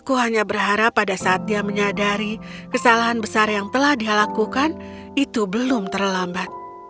aku hanya berharap pada saat dia menyadari kesalahan besar yang telah dia lakukan itu belum terlambat